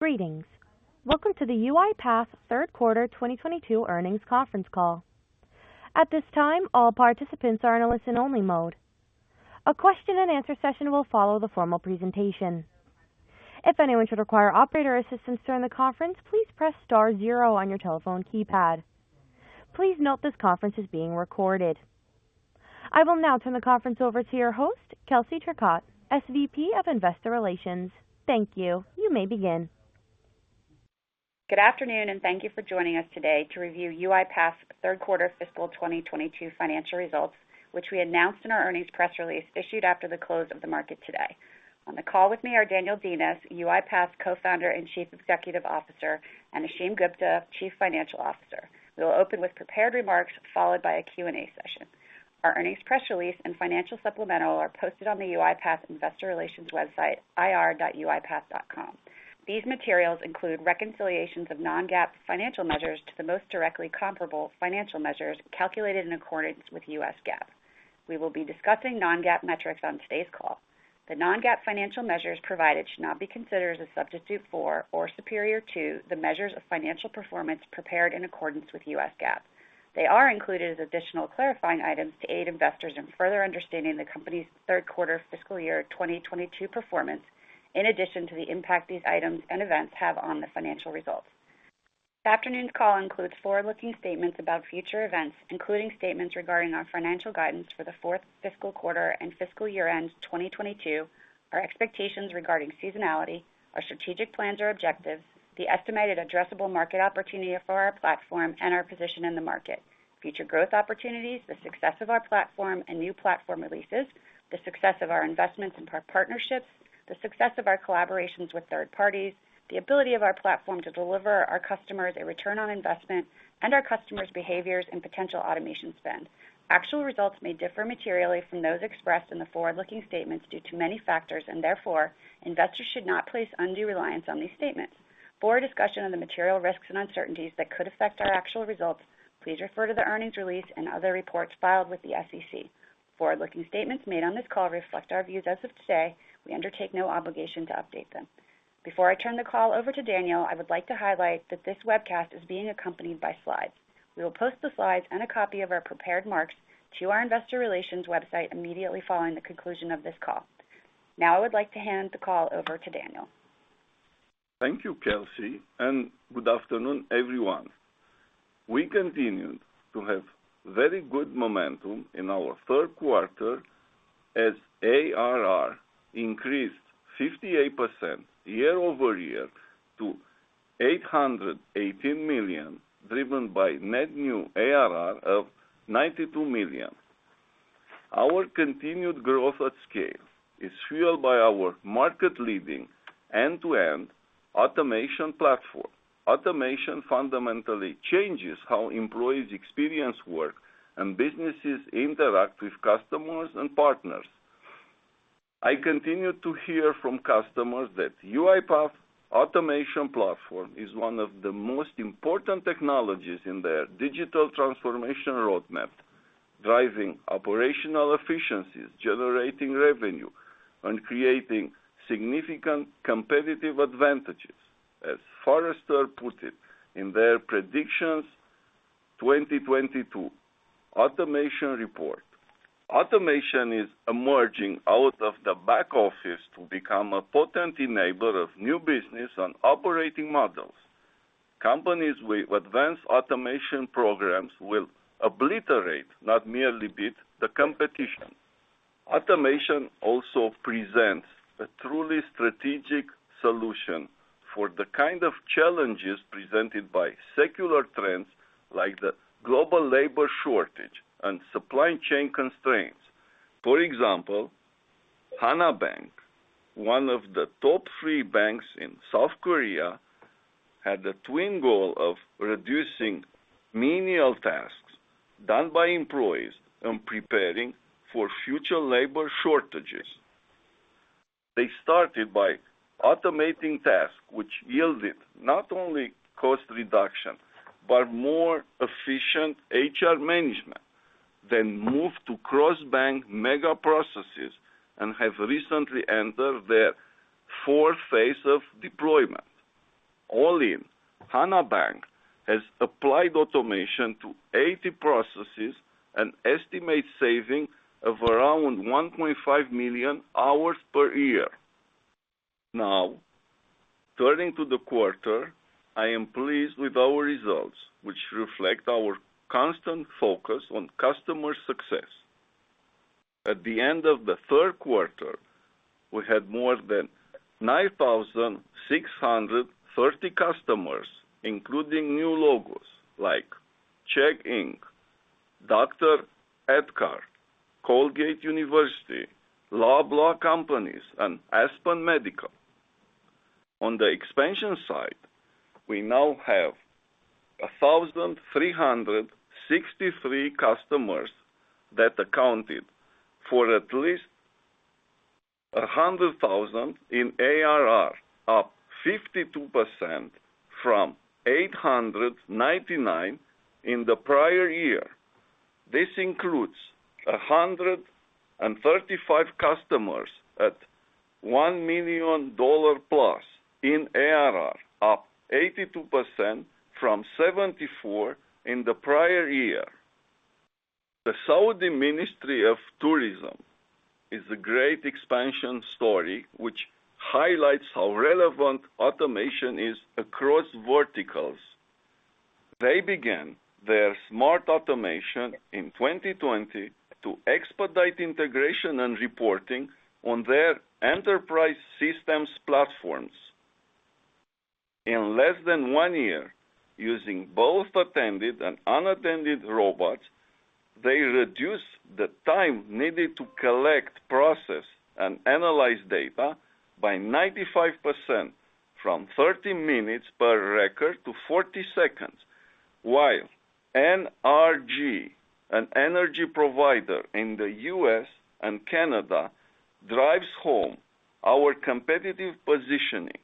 Greetings. Welcome to the UiPath Third Quarter 2022 Earnings Conference Call. At this time, all participants are in a listen-only mode. A question and answer session will follow the formal presentation. If anyone should require operator assistance during the conference, please press star zero on your telephone keypad. Please note this conference is being recorded. I will now turn the conference over to your host, Kelsey Turcotte, SVP of Investor Relations. Thank you. You may begin. Good afternoon, and thank you for joining us today to review UiPath's third quarter fiscal 2022 financial results, which we announced in our earnings press release issued after the close of the market today. On the call with me are Daniel Dines, UiPath's Co-Founder and Chief Executive Officer, and Ashim Gupta, Chief Financial Officer. We will open with prepared remarks followed by a Q&A session. Our earnings press release and financial supplemental are posted on the UiPath investor relations website, ir.uipath.com. These materials include reconciliations of non-GAAP financial measures to the most directly comparable financial measures calculated in accordance with the US GAAP. We will be discussing non-GAAP metrics on today's call. The non-GAAP financial measures provided should not be considered as a substitute for or superior to the measures of financial performance prepared in accordance with US GAAP. They are included as additional clarifying items to aid investors in further understanding the company's third quarter fiscal year 2022 performance, in addition to the impact these items and events have on the financial results. This afternoon's call includes forward-looking statements about future events, including statements regarding our financial guidance for the fourth fiscal quarter and fiscal year-end 2022, our expectations regarding seasonality, our strategic plans or objectives, the estimated addressable market opportunity for our platform and our position in the market, future growth opportunities, the success of our platform and new platform releases, the success of our investments and partnerships, the success of our collaborations with third parties, the ability of our platform to deliver our customers a return on investment, and our customers' behaviors and potential automation spend. Actual results may differ materially from those expressed in the forward-looking statements due to many factors, and therefore, investors should not place undue reliance on these statements. For a discussion of the material risks and uncertainties that could affect our actual results, please refer to the earnings release and other reports filed with the SEC. Forward-looking statements made on this call reflect our views as of today. We undertake no obligation to update them. Before I turn the call over to Daniel, I would like to highlight that this webcast is being accompanied by slides. We will post the slides and a copy of our prepared remarks to our investor relations website immediately following the conclusion of this call. Now I would like to hand the call over to Daniel. Thank you, Kelsey, and good afternoon, everyone. We continued to have very good momentum in our third quarter as ARR increased 58% year-over-year to $818 million, driven by net new ARR of $92 million. Our continued growth at scale is fueled by our market-leading end-to-end automation platform. Automation fundamentally changes how employees experience work and businesses interact with customers and partners. I continue to hear from customers that UiPath Automation Platform is one of the most important technologies in their digital transformation roadmap, driving operational efficiencies, generating revenue, and creating significant competitive advantages. As Forrester put it in their Predictions 2022 Automation Report, automation is emerging out of the back office to become a potent enabler of new business and operating models. Companies with advanced automation programs will obliterate, not merely beat, the competition. Automation also presents a truly strategic solution for the kind of challenges presented by secular trends like the global labor shortage and supply chain constraints. For example, Hana Bank, one of the top three banks in South Korea, had the twin goal of reducing menial tasks done by employees and preparing for future labor shortages. They started by automating tasks which yielded not only cost reduction, but more efficient HR management, then moved to cross-bank mega processes and have recently entered their fourth phase of deployment. All in, Hana Bank has applied automation to 80 processes and estimates saving of around 1.5 million hours per year. Now, turning to the quarter, I am pleased with our results, which reflect our constant focus on customer success. At the end of the third quarter, we had more than 9,630 customers, including new logos like Check, Inc., Dr. Reddy's, Colgate University, Loblaw Companies, and Aspen Medical. On the expansion side, we now have 1,363 customers that accounted for at least $100,000 in ARR, up 52% from 899 in the prior year. This includes 135 customers at $1 million+ in ARR, up 82% from 74 in the prior year. The Saudi Ministry of Tourism is a great expansion story which highlights how relevant automation is across verticals. They began their smart automation in 2020 to expedite integration and reporting on their enterprise systems platforms. In less than 1 year, using both attended and unattended robots, they reduced the time needed to collect, process, and analyze data by 95% from 30 minutes per record to 40 seconds. While NRG, an energy provider in the U.S. and Canada, drives home our competitive positioning.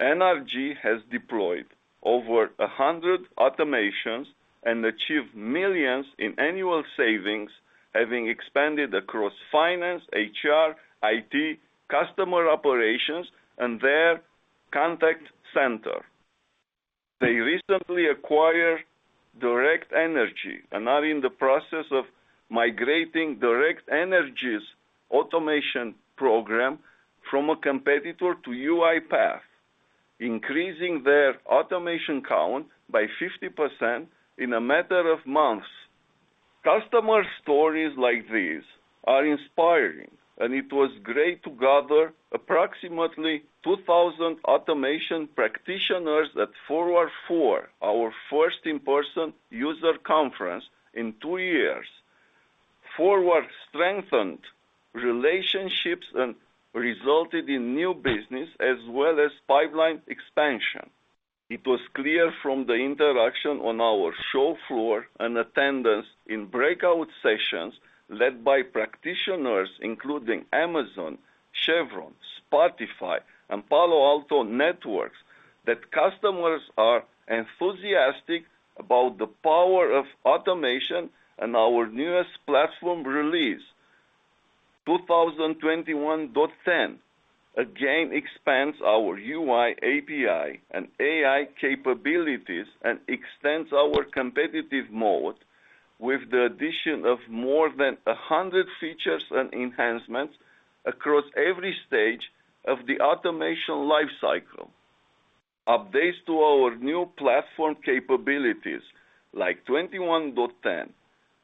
NRG has deployed over 100 automations and achieved $ millions in annual savings, having expanded across finance, HR, IT, customer operations, and their contact center. They recently acquired Direct Energy and are in the process of migrating Direct Energy's automation program from a competitor to UiPath, increasing their automation count by 50% in a matter of months. Customer stories like these are inspiring, and it was great to gather approximately 2,000 automation practitioners at FORWARD IV, our first in-person user conference in 2 years. FORWARD strengthened relationships and resulted in new business as well as pipeline expansion. It was clear from the interaction on our show floor and attendance in breakout sessions led by practitioners including Amazon, Chevron, Spotify, and Palo Alto Networks, that customers are enthusiastic about the power of automation and our newest platform release. 2021.10 again expands our UI, API, and AI capabilities and extends our competitive moat with the addition of more than 100 features and enhancements across every stage of the automation life cycle. Updates to our new platform capabilities like 2021.10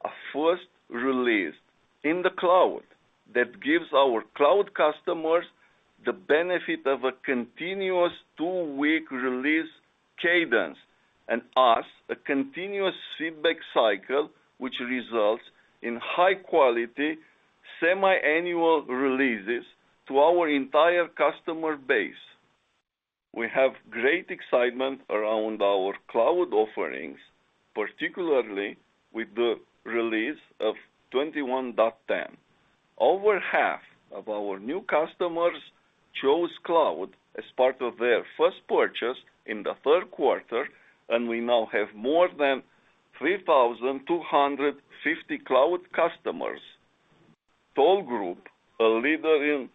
are first released in the cloud. That gives our cloud customers the benefit of a continuous two-week release cadence and us a continuous feedback cycle, which results in high quality semiannual releases to our entire customer base. We have great excitement around our cloud offerings, particularly with the release of 2021.10. Over half of our new customers chose cloud as part of their first purchase in the third quarter, and we now have more than 3,250 cloud customers. Toll Group, a leader in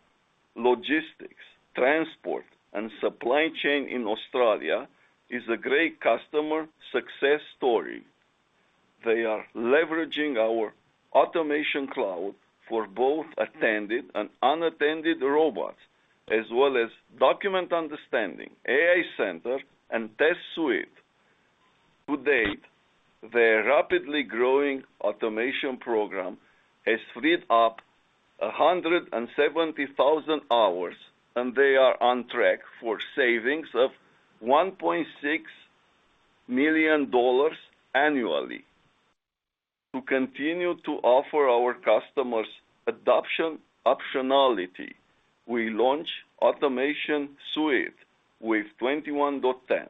logistics, transport, and supply chain in Australia, is a great customer success story. They are leveraging our Automation Cloud for both attended and unattended robots, as well as Document Understanding, AI Center, and Test Suite. To date, their rapidly growing automation program has freed up 170,000 hours, and they are on track for savings of $1.6 million annually. To continue to offer our customers adoption optionality, we launch Automation Suite with 2021.10.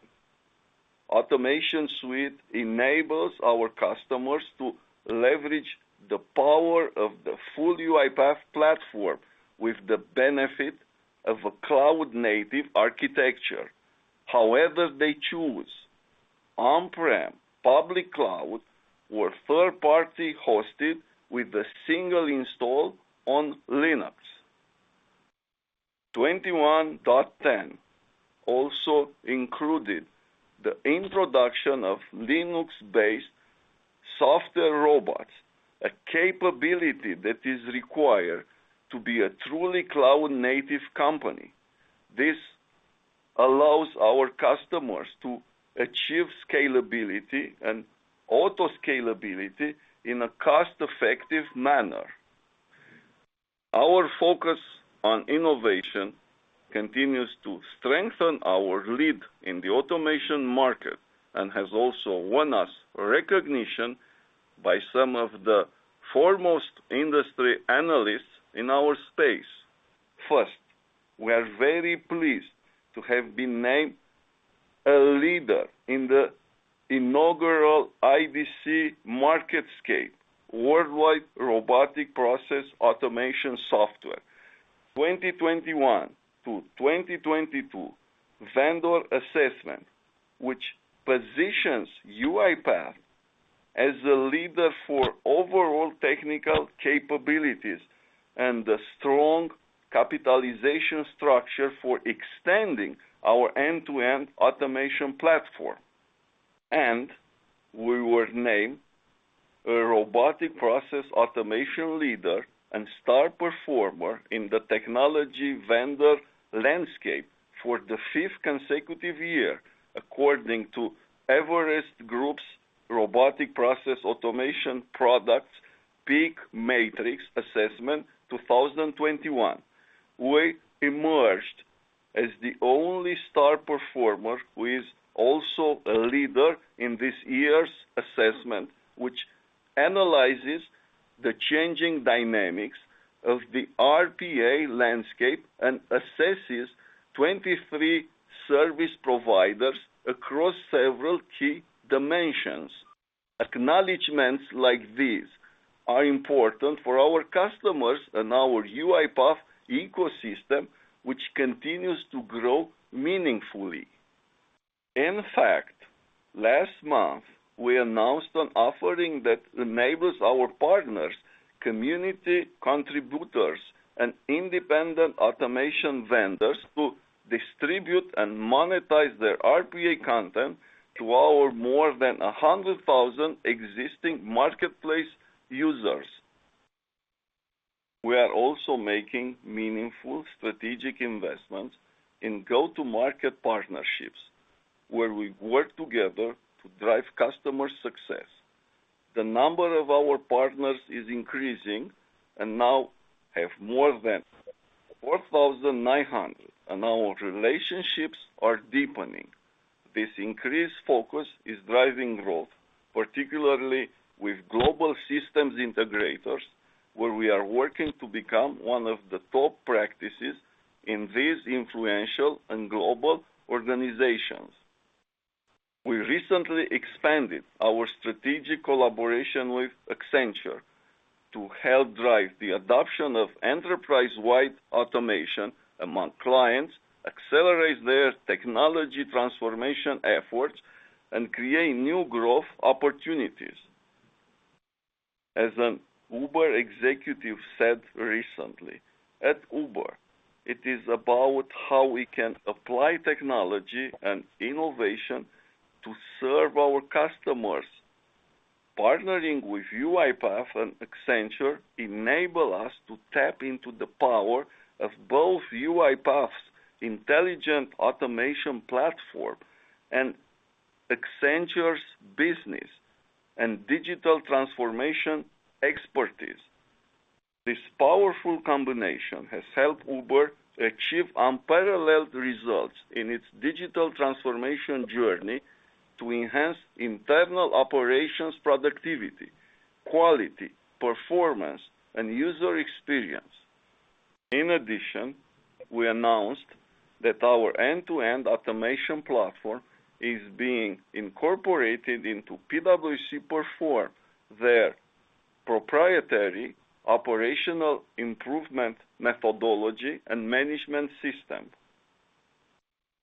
Automation Suite enables our customers to leverage the power of the full UiPath platform with the benefit of a cloud-native architecture. However they choose, on-prem, public cloud or third-party hosted with a single install on Linux. 2021.10 also included the introduction of Linux-based software robots, a capability that is required to be a truly cloud-native company. This allows our customers to achieve scalability and auto scalability in a cost-effective manner. Our focus on innovation continues to strengthen our lead in the automation market and has also won us recognition by some of the foremost industry analysts in our space. First, we are very pleased to have been named a leader in the inaugural IDC MarketScape Worldwide Robotic Process Automation Software 2021-2022 vendor assessment, which positions UiPath as a leader for overall technical capabilities and a strong capitalization structure for extending our end-to-end automation platform. We were named a robotic process automation leader and star performer in the technology vendor landscape for the fifth consecutive year, according to Everest Group's Robotic Process Automation Products PEAK Matrix Assessment 2021. We emerged as the only star performer who is also a leader in this year's assessment, which analyzes the changing dynamics of the RPA landscape and assesses 23 service providers across several key dimensions. Acknowledgments like these are important for our customers and our UiPath ecosystem, which continues to grow meaningfully. In fact, last month, we announced an offering that enables our partners, community contributors, and independent automation vendors to distribute and monetize their RPA content to our more than 100,000 existing marketplace users. We are also making meaningful strategic investments in go-to-market partnerships, where we work together to drive customer success. The number of our partners is increasing and now have more than 4,900, and our relationships are deepening. This increased focus is driving growth, particularly with global systems integrators, where we are working to become one of the top practices in these influential and global organizations. We recently expanded our strategic collaboration with Accenture to help drive the adoption of enterprise-wide automation among clients, accelerate their technology transformation efforts, and create new growth opportunities. As an Uber executive said recently, at Uber, it is about how we can apply technology and innovation to serve our customers. Partnering with UiPath and Accenture enable us to tap into the power of both UiPath's intelligent automation platform and Accenture's business and digital transformation expertise. This powerful combination has helped Uber achieve unparalleled results in its digital transformation journey to enhance internal operations productivity, quality, performance, and user experience. In addition, we announced that our end-to-end automation platform is being incorporated into PwC Perform, their proprietary operational improvement methodology and management system.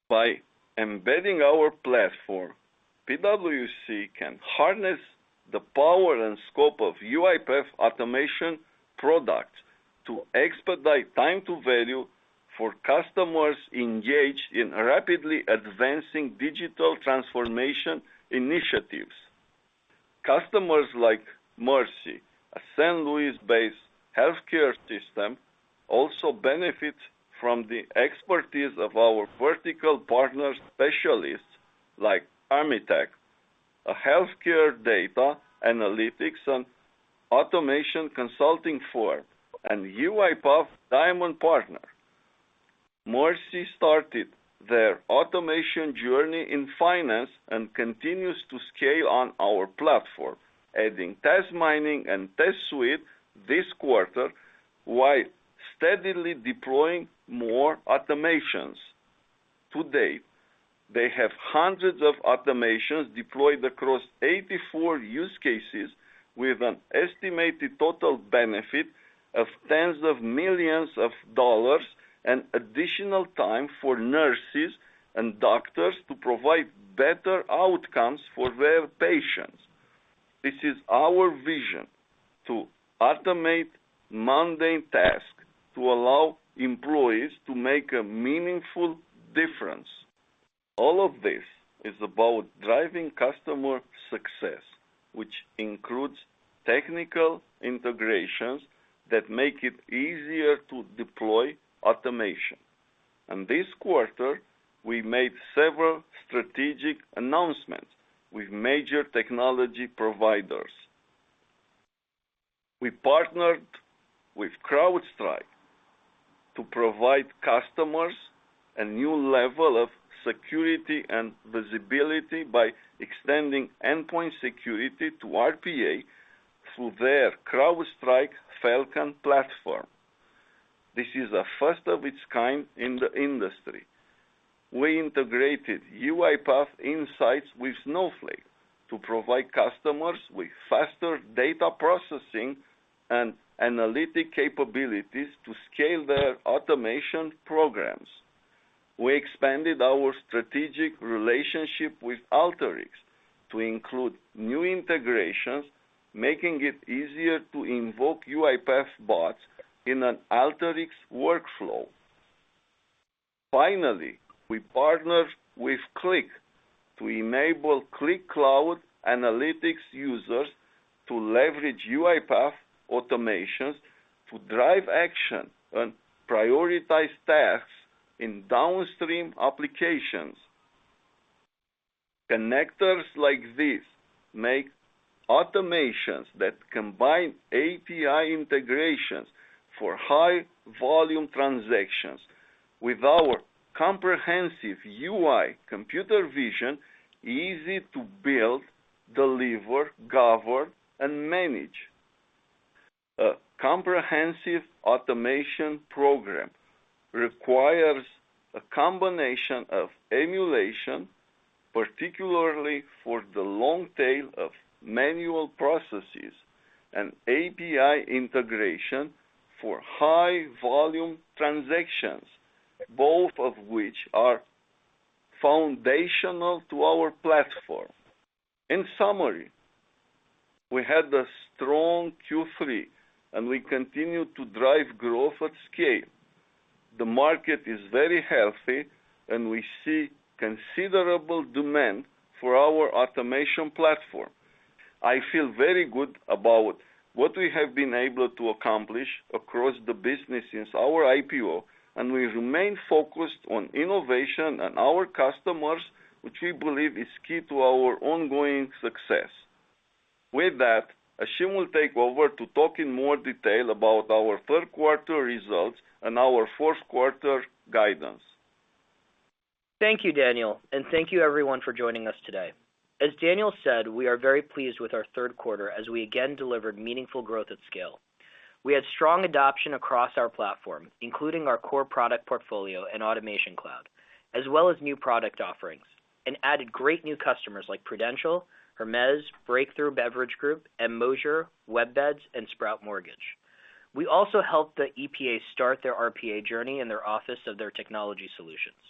By embedding our platform, PwC can harness the power and scope of UiPath automation products to expedite time to value for customers engaged in rapidly advancing digital transformation initiatives. Customers like Mercy, a Saint Louis-based healthcare system, also benefit from the expertise of our vertical partners specialists like Amitech, a healthcare data analytics and automation consulting firm and UiPath Diamond partner. Mercy started their automation journey in finance and continues to scale on our platform, adding Task Mining and Test Suite this quarter, while steadily deploying more automations. To date, they have hundreds of automations deployed across 84 use cases with an estimated total benefit of $ tens of millions and additional time for nurses and doctors to provide better outcomes for their patients. This is our vision to automate mundane tasks to allow employees to make a meaningful difference. All of this is about driving customer success, which includes technical integrations that make it easier to deploy automation. This quarter, we made several strategic announcements with major technology providers. We partnered with CrowdStrike to provide customers a new level of security and visibility by extending endpoint security to RPA through their CrowdStrike Falcon platform. This is a first of its kind in the industry. We integrated UiPath Insights with Snowflake to provide customers with faster data processing and analytic capabilities to scale their automation programs. We expanded our strategic relationship with Alteryx to include new integrations, making it easier to invoke UiPath bots in an Alteryx workflow. Finally, we partnered with Qlik to enable Qlik Cloud analytics users to leverage UiPath automations to drive action and prioritize tasks in downstream applications. Connectors like this make automations that combine API integrations for high volume transactions with our comprehensive UI computer vision easy to build, deliver, govern, and manage. A comprehensive automation program requires a combination of emulation, particularly for the long tail of manual processes and API integration for high volume transactions, both of which are foundational to our platform. In summary, we had a strong Q3 and we continue to drive growth at scale. The market is very healthy and we see considerable demand for our automation platform. I feel very good about what we have been able to accomplish across the business since our IPO, and we remain focused on innovation and our customers, which we believe is key to our ongoing success. With that, Ashim will take over to talk in more detail about our third quarter results and our fourth quarter guidance. Thank you, Daniel, and thank you everyone for joining us today. As Daniel said, we are very pleased with our third quarter as we again delivered meaningful growth at scale. We had strong adoption across our platform, including our core product portfolio and Automation Cloud, as well as new product offerings, and added great new customers like Prudential, Hermes, Breakthru Beverage Group, M Moser, WebBeds and Sprout Mortgage. We also helped the EPA start their RPA journey in their Office of Technology Solutions.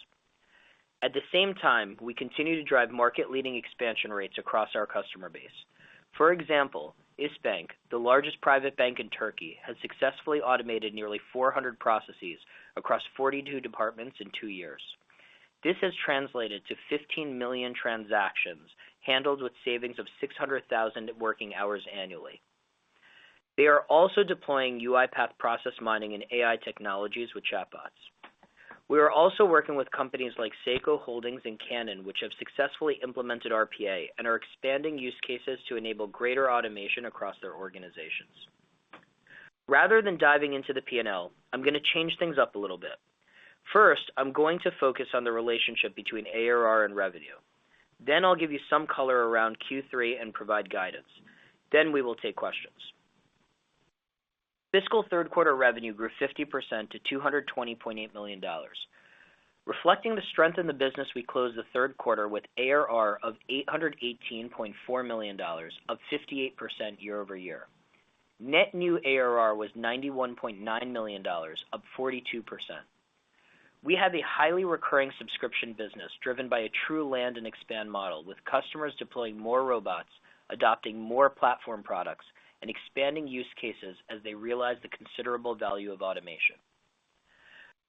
At the same time, we continue to drive market-leading expansion rates across our customer base. For example, İşbank, the largest private bank in Turkey, has successfully automated nearly 400 processes across 42 departments in 2 years. This has translated to 15 million transactions handled with savings of 600,000 working hours annually. They are also deploying UiPath Process Mining and AI technologies with chatbots. We are also working with companies like Seiko Holdings and Canon, which have successfully implemented RPA and are expanding use cases to enable greater automation across their organizations. Rather than diving into the PNL, I'm gonna change things up a little bit. First, I'm going to focus on the relationship between ARR and revenue. Then I'll give you some color around Q3 and provide guidance. Then we will take questions. Fiscal third quarter revenue grew 50% to $220.8 million. Reflecting the strength in the business, we closed the third quarter with ARR of $818.4 million, up 58% year-over-year. Net new ARR was $91.9 million, up 42%. We have a highly recurring subscription business driven by a true land and expand model, with customers deploying more robots, adopting more platform products, and expanding use cases as they realize the considerable value of automation.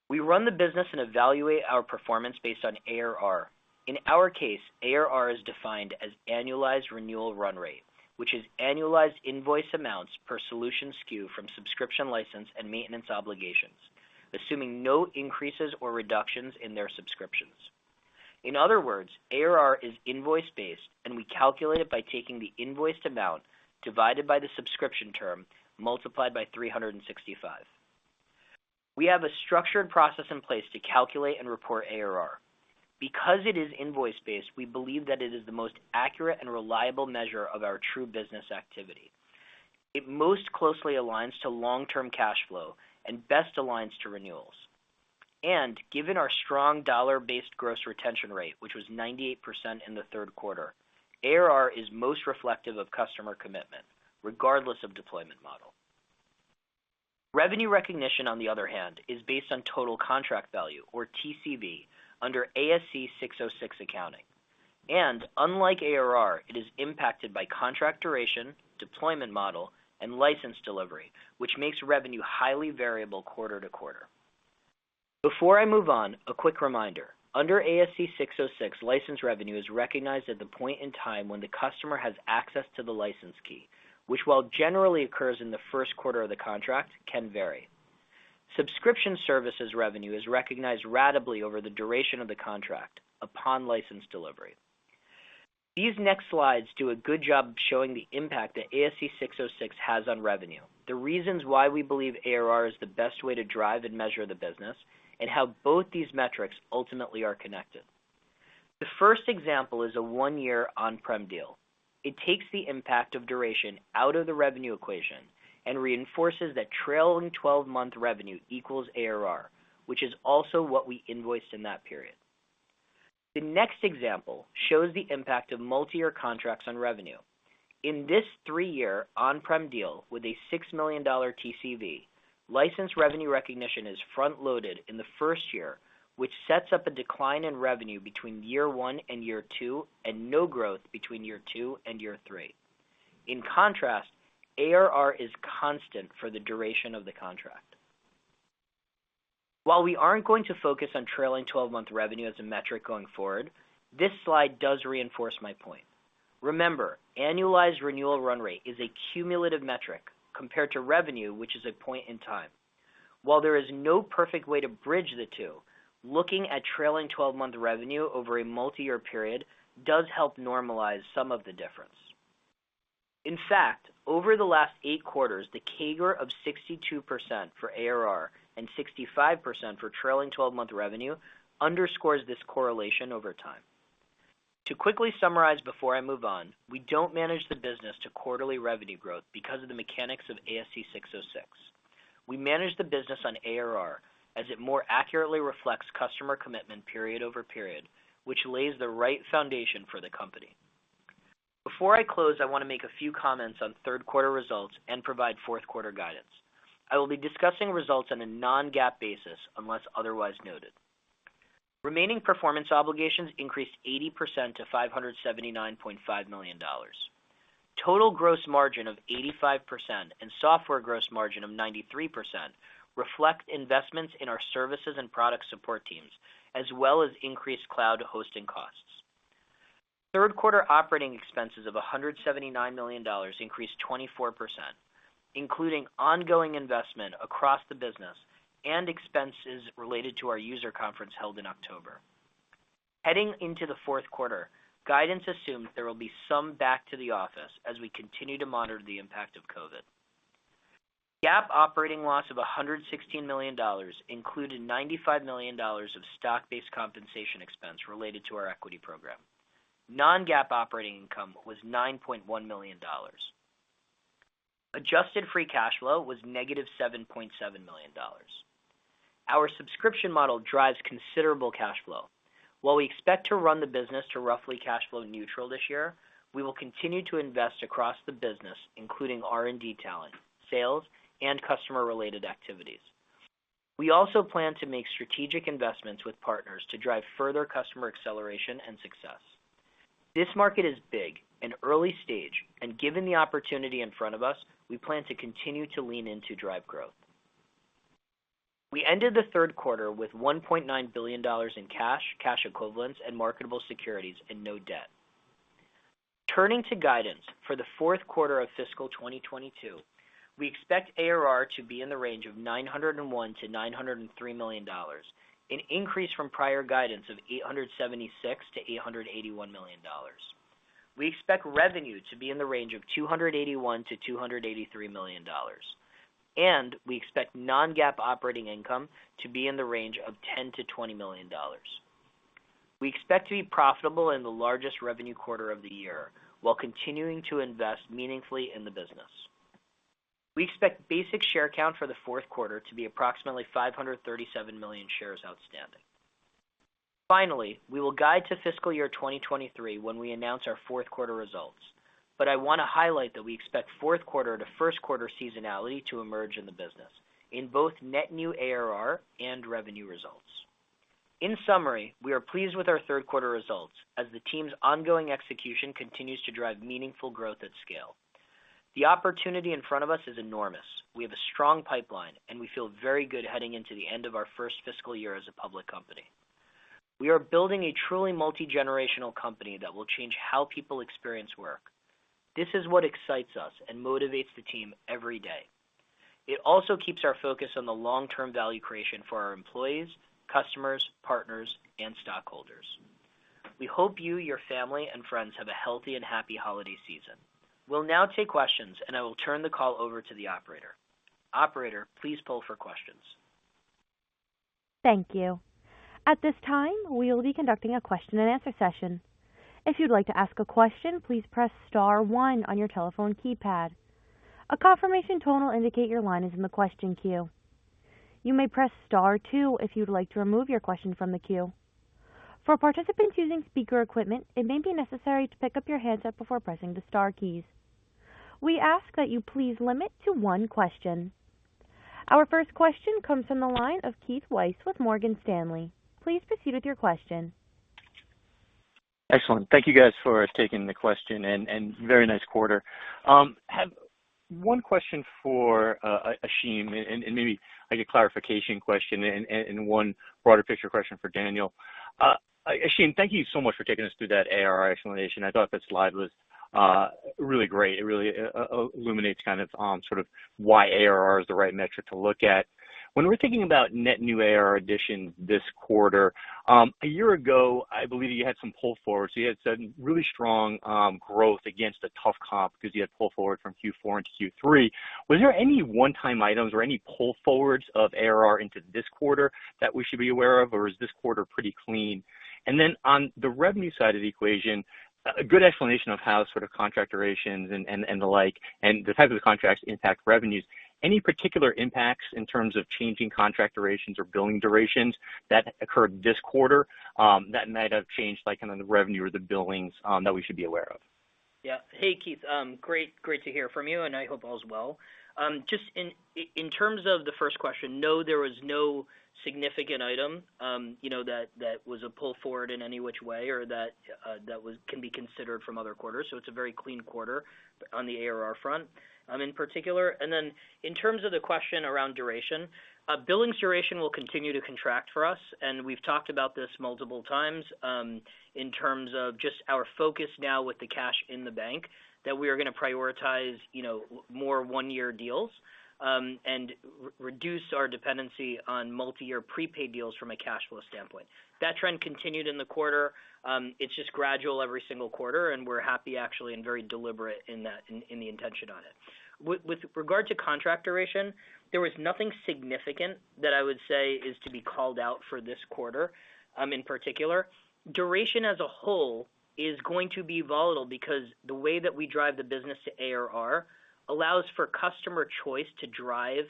We run the business and evaluate our performance based on ARR. In our case, ARR is defined as annualized renewal run rate, which is annualized invoice amounts per solution SKU from subscription license and maintenance obligations, assuming no increases or reductions in their subscriptions. In other words, ARR is invoice-based and we calculate it by taking the invoiced amount divided by the subscription term multiplied by 365. We have a structured process in place to calculate and report ARR. Because it is invoice-based, we believe that it is the most accurate and reliable measure of our true business activity. It most closely aligns to long-term cash flow and best aligns to renewals. Given our strong dollar-based gross retention rate, which was 98% in the third quarter, ARR is most reflective of customer commitment regardless of deployment model. Revenue recognition, on the other hand, is based on total contract value or TCV under ASC 606 accounting. Unlike ARR, it is impacted by contract duration, deployment model, and license delivery, which makes revenue highly variable quarter to quarter. Before I move on, a quick reminder. Under ASC 606, license revenue is recognized at the point in time when the customer has access to the license key, which while generally occurs in the first quarter of the contract, can vary. Subscription services revenue is recognized ratably over the duration of the contract upon license delivery. These next slides do a good job showing the impact that ASC 606 has on revenue, the reasons why we believe ARR is the best way to drive and measure the business, and how both these metrics ultimately are connected. The first example is a 1-year on-prem deal. It takes the impact of duration out of the revenue equation and reinforces that trailing 12-month revenue equals ARR, which is also what we invoiced in that period. The next example shows the impact of multi-year contracts on revenue. In this 3-year on-prem deal with a $6 million TCV, license revenue recognition is front-loaded in the first year, which sets up a decline in revenue between year one and year two and no growth between year two and year 3. In contrast, ARR is constant for the duration of the contract. While we aren't going to focus on trailing twelve-month revenue as a metric going forward, this slide does reinforce my point. Remember, annualized renewal run rate is a cumulative metric compared to revenue, which is a point in time. While there is no perfect way to bridge the two, looking at trailing twelve-month revenue over a multi-year period does help normalize some of the difference. In fact, over the last eight quarters, the CAGR of 62% for ARR and 65% for trailing twelve-month revenue underscores this correlation over time. To quickly summarize before I move on, we don't manage the business to quarterly revenue growth because of the mechanics of ASC 606. We manage the business on ARR as it more accurately reflects customer commitment period over period, which lays the right foundation for the company. Before I close, I wanna make a few comments on third quarter results and provide fourth quarter guidance. I will be discussing results on a non-GAAP basis unless otherwise noted. Remaining performance obligations increased 80% to $579.5 million. Total gross margin of 85% and software gross margin of 93% reflect investments in our services and product support teams, as well as increased cloud hosting costs. Third quarter operating expenses of $179 million increased 24%, including ongoing investment across the business and expenses related to our user conference held in October. Heading into the fourth quarter, guidance assumes there will be some back to the office as we continue to monitor the impact of COVID. GAAP operating loss of $116 million included $95 million of stock-based compensation expense related to our equity program. Non-GAAP operating income was $9.1 million. Adjusted free cash flow was -$7.7 million. Our subscription model drives considerable cash flow. While we expect to run the business to roughly cash flow neutral this year, we will continue to invest across the business, including R&D talent, sales, and customer-related activities. We also plan to make strategic investments with partners to drive further customer acceleration and success. This market is big in early stage and given the opportunity in front of us, we plan to continue to lean in to drive growth. We ended the third quarter with $1.9 billion in cash equivalents, and marketable securities and no debt. Turning to guidance for the fourth quarter of fiscal 2022, we expect ARR to be in the range of $901 million-$903 million, an increase from prior guidance of $876 million-$881 million. We expect revenue to be in the range of $281 million-$283 million, and we expect non-GAAP operating income to be in the range of $10 million-$20 million. We expect to be profitable in the largest revenue quarter of the year while continuing to invest meaningfully in the business. We expect basic share count for the fourth quarter to be approximately 537 million shares outstanding. Finally, we will guide to fiscal year 2023 when we announce our fourth quarter results. I wanna highlight that we expect fourth quarter to first quarter seasonality to emerge in the business in both net new ARR and revenue results. In summary, we are pleased with our third quarter results as the team's ongoing execution continues to drive meaningful growth at scale. The opportunity in front of us is enormous. We have a strong pipeline, and we feel very good heading into the end of our first fiscal year as a public company. We are building a truly multigenerational company that will change how people experience work. This is what excites us and motivates the team every day. It also keeps our focus on the long-term value creation for our employees, customers, partners, and stockholders. We hope you, your family, and friends have a healthy and happy holiday season. We'll now take questions, and I will turn the call over to the operator. Operator, please poll for questions. Thank you. At this time, we will be conducting a question and answer session. If you'd like to ask a question, please press star one on your telephone keypad. A confirmation tone will indicate your line is in the question queue. You may press star two if you'd like to remove your question from the queue. For participants using speaker equipment, it may be necessary to pick up your handset before pressing the star keys. We ask that you please limit to one question. Our first question comes from the line of Keith Weiss with Morgan Stanley. Please proceed with your question. Excellent. Thank you guys for taking the question and very nice quarter. I have one question for Ashim and maybe like a clarification question and one broader picture question for Daniel. Ashim, thank you so much for taking us through that ARR explanation. I thought that slide was Really great. It really illuminates kind of sort of why ARR is the right metric to look at when we're thinking about net new ARR additions this quarter. A year ago, I believe you had some pull forward, so you had some really strong growth against a tough comp because you had pull forward from Q4 into Q3. Was there any one-time items or any pull forwards of ARR into this quarter that we should be aware of, or is this quarter pretty clean? On the revenue side of the equation, a good explanation of how sort of contract durations and the like, and the type of the contracts impact revenues. Any particular impacts in terms of changing contract durations or billing durations that occurred this quarter, that might have changed, like kind of the revenue or the billings, that we should be aware of? Yeah. Hey, Keith, great to hear from you, and I hope all is well. Just in terms of the first question, no, there was no significant item, you know, that was a pull forward in any which way or that can be considered from other quarters. It's a very clean quarter on the ARR front, in particular. In terms of the question around duration, billings duration will continue to contract for us. We've talked about this multiple times, in terms of just our focus now with the cash in the bank that we are gonna prioritize, you know, more one-year deals, and reduce our dependency on multi-year prepaid deals from a cash flow standpoint. That trend continued in the quarter. It's just gradual every single quarter, and we're happy actually, and very deliberate in that, in the intention on it. With regard to contract duration, there was nothing significant that I would say is to be called out for this quarter, in particular. Duration as a whole is going to be volatile because the way that we drive the business to ARR allows for customer choice to drive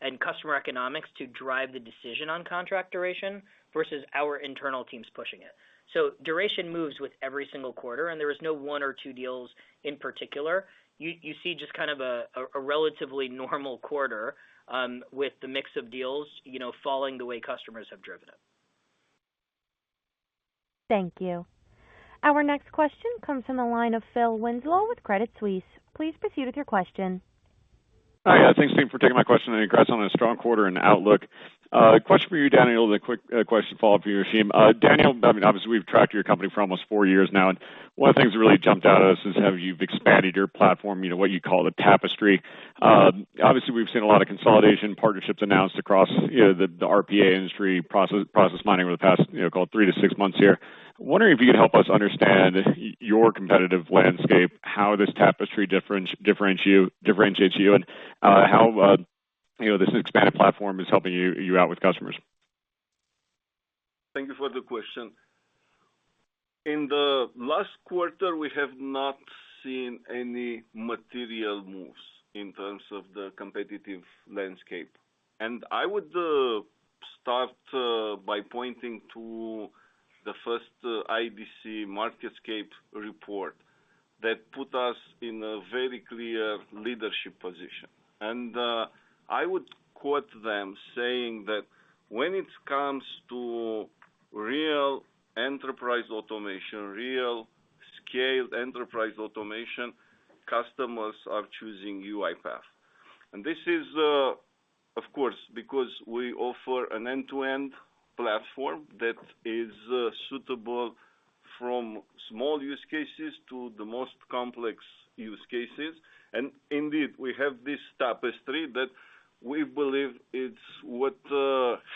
and customer economics to drive the decision on contract duration versus our internal teams pushing it. Duration moves with every single quarter and there is no one or two deals in particular. You see just kind of a relatively normal quarter, with the mix of deals, you know, falling the way customers have driven it. Thank you. Our next question comes from the line of Phil Winslow with Credit Suisse. Please proceed with your question. Hi. Thanks for taking my question, and congrats on a strong quarter and outlook. Question for you, Daniel, then a quick question follow-up for you, Ashim. Daniel, I mean, obviously, we've tracked your company for almost 4 years now, and one of the things that really jumped out at us is how you've expanded your platform, you know, what you call the tapestry. Obviously, we've seen a lot of consolidation partnerships announced across the RPA industry, Process Mining over the past, call it three-six months here. Wondering if you could help us understand your competitive landscape, how this tapestry differentiates you, and how this expanded platform is helping you out with customers. Thank you for the question. In the last quarter, we have not seen any material moves in terms of the competitive landscape. I would start by pointing to the first IDC MarketScape report that put us in a very clear leadership position. I would quote them saying that when it comes to real enterprise automation, real scaled enterprise automation, customers are choosing UiPath. This is, of course, because we offer an end-to-end platform that is suitable from small use cases to the most complex use cases. Indeed, we have this tapestry that we believe it's what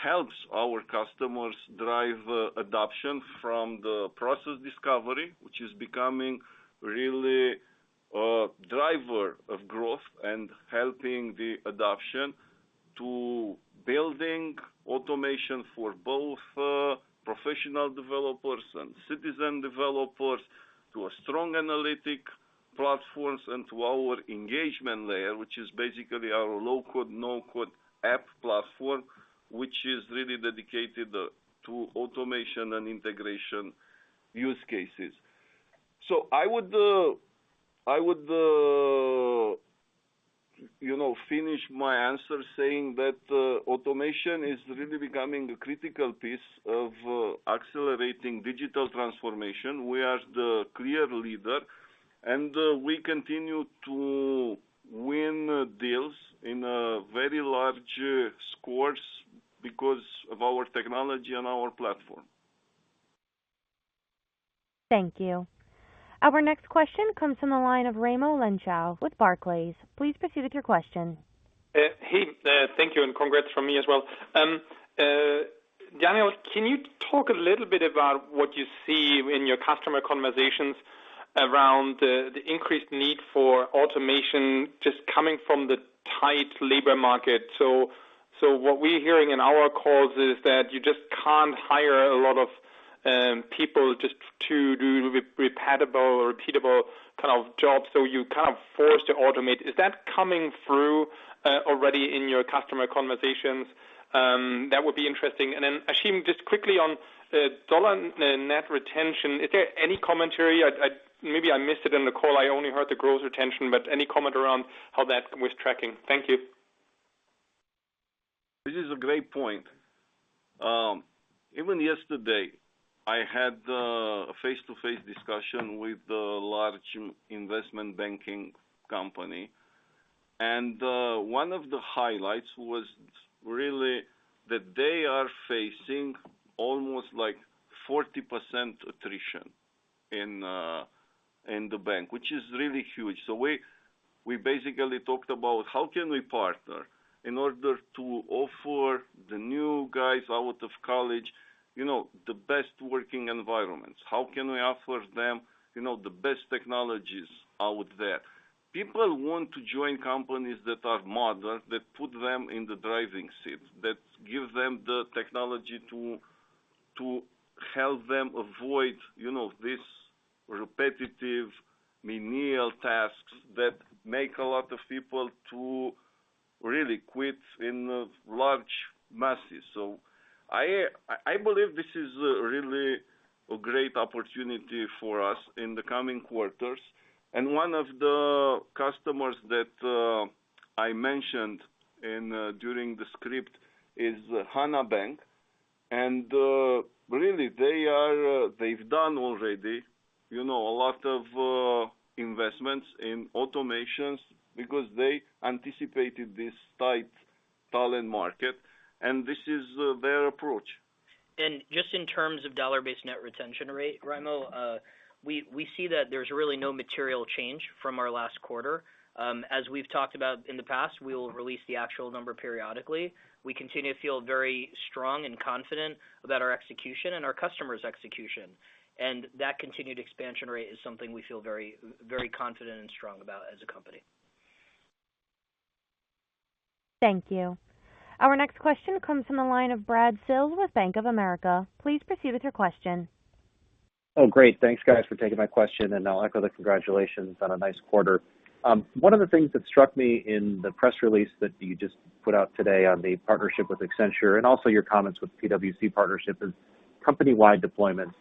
helps our customers drive adoption from the process discovery, which is becoming really a driver of growth and helping the adoption to building automation for both professional developers and citizen developers, to a strong analytic platforms and to our engagement layer, which is basically our low-code, no-code app platform, which is really dedicated to automation and integration use cases. I would you know finish my answer saying that automation is really becoming a critical piece of accelerating digital transformation. We are the clear leader, and we continue to win deals in a very large scores because of our technology and our platform. Thank you. Our next question comes from the line of Raimo Lenschow with Barclays. Please proceed with your question. Hey, thank you and congrats from me as well. Daniel, can you talk a little bit about what you see in your customer conversations around the increased need for automation just coming from the tight labor market? So what we're hearing in our calls is that you just can't hire a lot of people just to do repeatable kind of jobs, so you're kind of forced to automate. Is that coming through already in your customer conversations? That would be interesting. Ashim, just quickly on dollar net retention. Is there any commentary? Maybe I missed it in the call. I only heard the gross retention, but any comment around how that was tracking? Thank you. This is a great point. Even yesterday, I had a face-to-face discussion with a large investment banking company. One of the highlights was really that they are facing almost like 40% attrition in the bank, which is really huge. We basically talked about how can we partner in order to offer the new guys out of college, you know, the best working environments. How can we offer them, you know, the best technologies out there? People want to join companies that are modern, that put them in the driving seat, that give them the technology to help them avoid, you know, these repetitive, menial tasks that make a lot of people to really quit in large masses. I believe this is really a great opportunity for us in the coming quarters. One of the customers that I mentioned during the script is Hana Bank. Really, they've done already, you know, a lot of investments in automations because they anticipated this tight talent market, and this is their approach. Just in terms of dollar-based net retention rate, Raimo, we see that there's really no material change from our last quarter. As we've talked about in the past, we will release the actual number periodically. We continue to feel very strong and confident about our execution and our customers' execution. That continued expansion rate is something we feel very, very confident and strong about as a company. Thank you. Our next question comes from the line of Brad Sills with Bank of America. Please proceed with your question. Oh, great. Thanks, guys, for taking my question, and I'll echo the congratulations on a nice quarter. One of the things that struck me in the press release that you just put out today on the partnership with Accenture and also your comments with PwC partnership is company-wide deployments.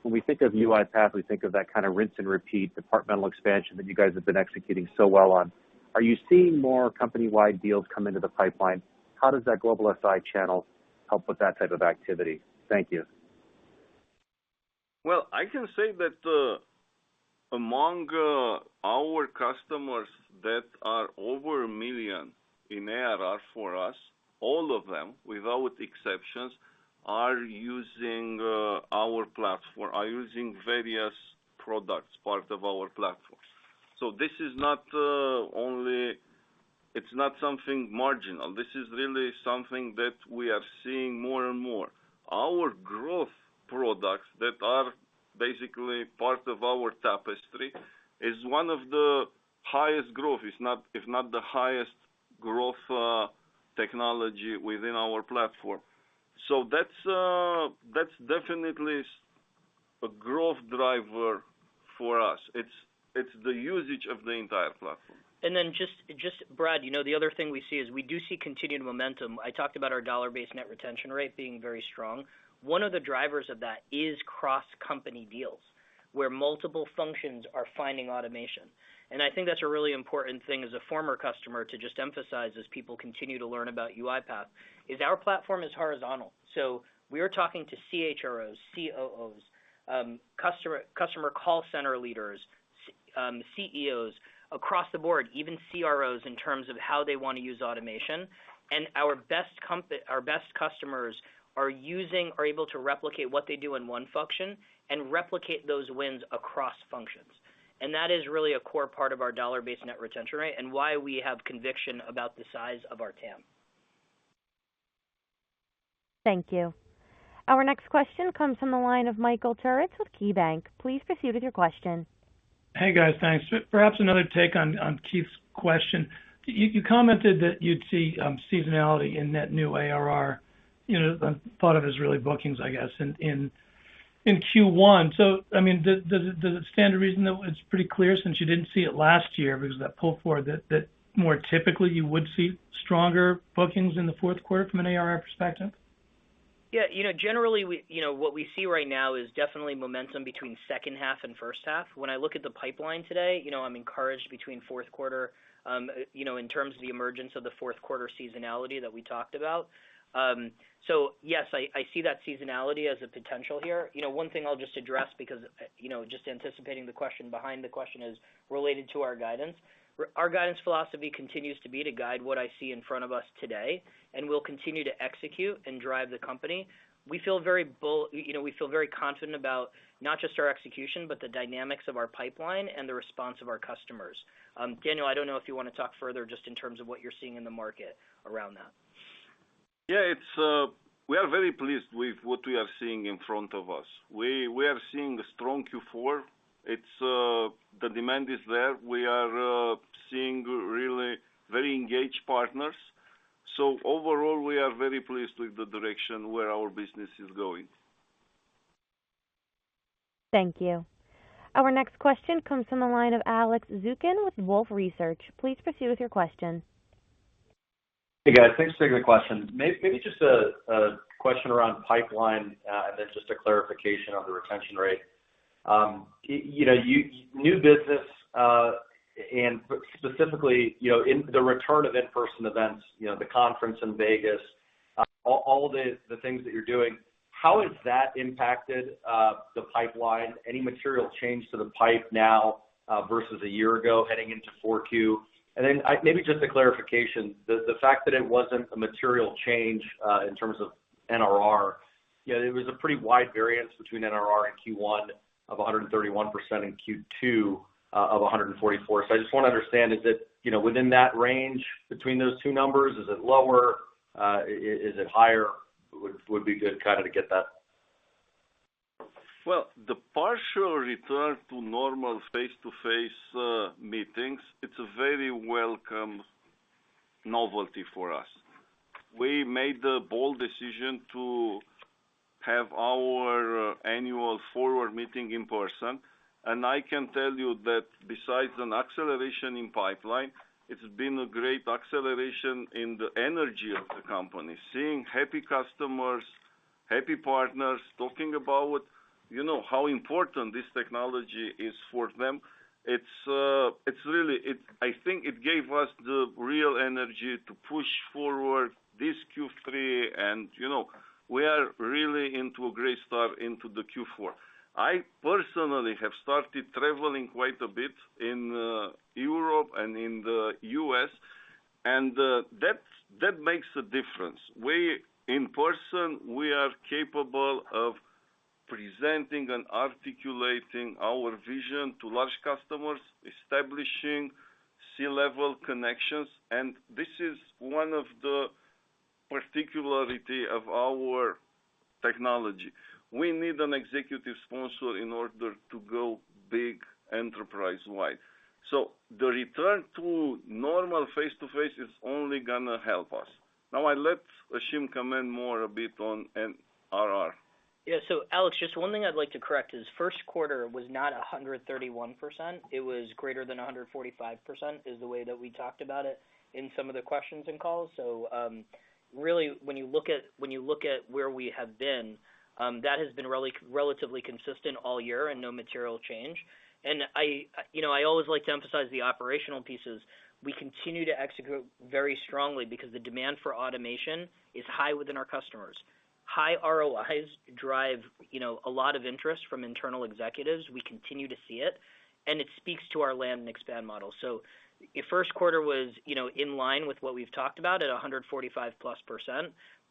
When we think of UiPath, we think of that kind of rinse and repeat departmental expansion that you guys have been executing so well on. Are you seeing more company-wide deals come into the pipeline? How does that global SI channel help with that type of activity? Thank you. Well, I can say that among our customers that are over a million in ARR for us, all of them, without exceptions, are using our platform, are using various products part of our platforms. This is not only, it's not something marginal. This is really something that we are seeing more and more. Our growth products that are basically part of our tapestry is one of the highest growth, if not the highest growth, technology within our platform. That's definitely a growth driver for us. It's the usage of the entire platform. Just Brad, you know, the other thing we see is we do see continued momentum. I talked about our dollar-based net retention rate being very strong. One of the drivers of that is cross-company deals, where multiple functions are finding automation. I think that's a really important thing as a former customer to just emphasize as people continue to learn about UiPath, is our platform is horizontal. So we are talking to CHROs, COOs, customer call center leaders, CEOs across the board, even CROs in terms of how they want to use automation. Our best customers are able to replicate what they do in one function and replicate those wins across functions. That is really a core part of our dollar-based net retention rate and why we have conviction about the size of our TAM. Thank you. Our next question comes from the line of Michael Turits with KeyBanc. Please proceed with your question. Hey, guys. Thanks. Perhaps another take on Keith's question. You commented that you'd see seasonality in net new ARR, you know, thought of as really bookings, I guess, in Q1. I mean, does it stand to reason that it's pretty clear since you didn't see it last year because of that pull forward that more typically you would see stronger bookings in the fourth quarter from an ARR perspective? Yeah. You know, generally what we see right now is definitely momentum between second half and first half. When I look at the pipeline today, you know, I'm encouraged between fourth quarter, you know, in terms of the emergence of the fourth quarter seasonality that we talked about. Yes, I see that seasonality as a potential here. You know, one thing I'll just address because, you know, just anticipating the question behind the question is related to our guidance. Our guidance philosophy continues to be to guide what I see in front of us today, and we'll continue to execute and drive the company. We feel very confident about not just our execution, but the dynamics of our pipeline and the response of our customers. Daniel, I don't know if you want to talk further just in terms of what you're seeing in the market around that. Yeah, it's. We are very pleased with what we are seeing in front of us. We are seeing a strong Q4. It's the demand is there. We are seeing really very engaged partners. Overall, we are very pleased with the direction where our business is going. Thank you. Our next question comes from the line of Alex Zukin with Wolfe Research. Please proceed with your question. Hey, guys. Thanks for taking the question. Maybe just a question around pipeline, and then just a clarification on the retention rate. You know, new business, and specifically, you know, in the return of in-person events, you know, the conference in Vegas All the things that you're doing, how has that impacted the pipeline? Any material change to the pipe now versus a year ago heading into Q4? And then maybe just a clarification. The fact that it wasn't a material change in terms of NRR. You know, it was a pretty wide variance between NRR in Q1 of 131% and Q2 of 144%. So I just wanna understand, is it, you know, within that range between those two numbers? Is it lower? Is it higher? Would be good kinda to get that. Well, the partial return to normal face-to-face meetings, it's a very welcome novelty for us. We made the bold decision to have our annual forward meeting in person, and I can tell you that besides an acceleration in pipeline, it's been a great acceleration in the energy of the company. Seeing happy customers, happy partners talking about, you know, how important this technology is for them. It's really. I think it gave us the real energy to push forward this Q3 and, you know, we are really into a great start into the Q4. I personally have started traveling quite a bit in Europe and in the U.S. and that makes a difference. We, in person, are capable of presenting and articulating our vision to large customers, establishing C-level connections, and this is one of the particularity of our technology. We need an executive sponsor in order to go big enterprise-wide. The return to normal face-to-face is only gonna help us. Now I let Ashim comment more a bit on NRR. Yeah. Alex, just one thing I'd like to correct is first quarter was not 131%. It was greater than 145%, is the way that we talked about it in some of the questions and calls. Really, when you look at where we have been, that has been relatively consistent all year and no material change. I, you know, I always like to emphasize the operational pieces. We continue to execute very strongly because the demand for automation is high within our customers. High ROIs drive, you know, a lot of interest from internal executives. We continue to see it, and it speaks to our land and expand model. First quarter was, you know, in line with what we've talked about at 145%+,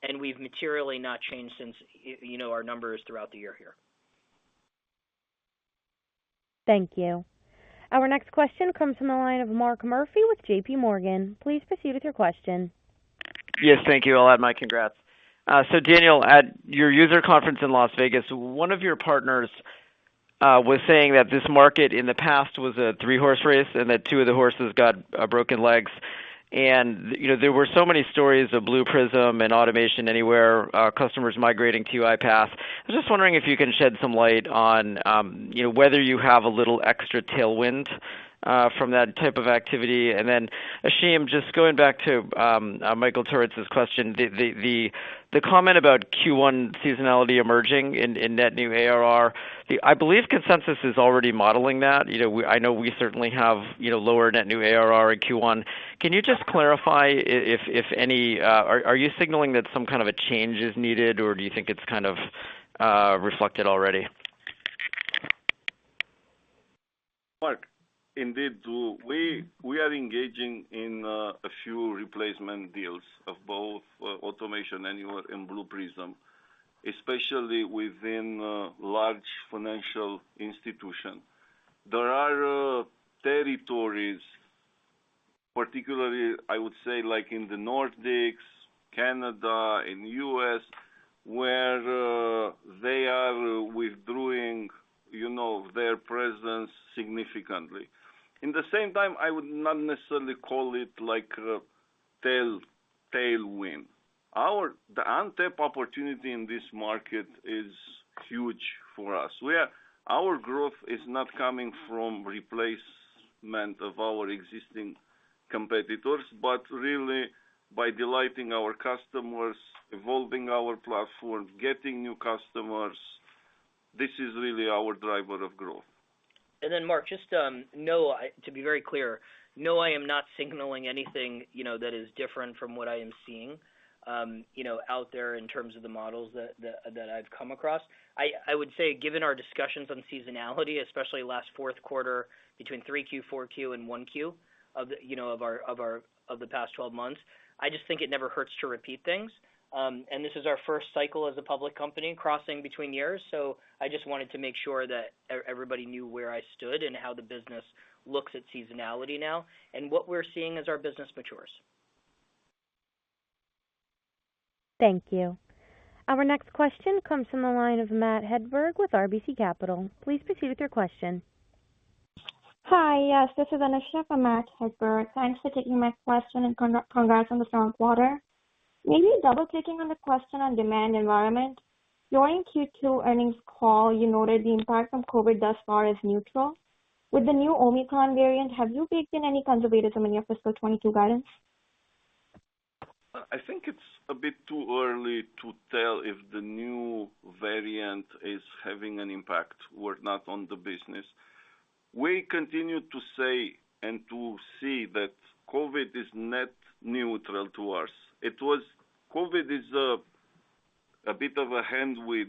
and we've materially not changed since, you know, our numbers throughout the year here. Thank you. Our next question comes from the line of Mark Murphy with JPMorgan. Please proceed with your question. Yes, thank you. I'll add my congrats. So Daniel, at your user conference in Las Vegas, one of your partners was saying that this market in the past was a three-horse race, and that two of the horses got broken legs. You know, there were so many stories of Blue Prism and Automation Anywhere customers migrating to UiPath. I'm just wondering if you can shed some light on, you know, whether you have a little extra tailwind from that type of activity. Then, Ashim, just going back to Michael Turits' question. The comment about Q1 seasonality emerging in net new ARR, I believe consensus is already modeling that. You know, I know we certainly have, you know, lower net new ARR in Q1. Can you just clarify if any... Are you signaling that some kind of a change is needed, or do you think it's kind of reflected already? Mark, indeed, we are engaging in a few replacement deals of both Automation Anywhere and Blue Prism, especially within large financial institution. There are territories, particularly, I would say like in the Nordics, Canada, in U.S., where they are withdrawing, you know, their presence significantly. In the same time, I would not necessarily call it like a tailwind. The untapped opportunity in this market is huge for us. Our growth is not coming from replacement of our existing competitors, but really by delighting our customers, evolving our platform, getting new customers. This is really our driver of growth. Mark, just know to be very clear, no, I am not signaling anything, you know, that is different from what I am seeing, you know, out there in terms of the models that I've come across. I would say, given our discussions on seasonality, especially last fourth quarter between Q3, Q4, and Q1 of the past 12 months, I just think it never hurts to repeat things. This is our first cycle as a public company crossing between years. I just wanted to make sure that everybody knew where I stood and how the business looks at seasonality now, and what we're seeing as our business matures. Thank you. Our next question comes from the line of Matt Hedberg with RBC Capital. Please proceed with your question. Hi. Yes, this is Anusha for Matt Hedberg. Thanks for taking my question and congrats on the strong quarter. Maybe double-clicking on the question on demand environment. During Q2 earnings call, you noted the impact from COVID thus far is neutral. With the new Omicron variant, have you baked in any kinds of data from any of fiscal 2022 guidance? I think it's a bit too early to tell if the new variant is having an impact or not on the business. We continue to say and to see that COVID is net neutral to us. COVID is a bit of a hand with